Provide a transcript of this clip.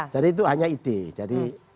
jadi itu hanya ide jadi